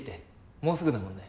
もうすぐだもんね